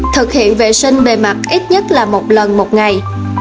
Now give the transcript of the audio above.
thực hiện vệ sinh bề mặt ít nhất là một lần một ngày